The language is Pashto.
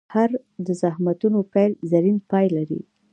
هر د زخمتونو پیل، زرین پای لري.